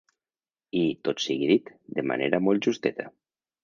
I, tot sigui dit, de manera molt justeta.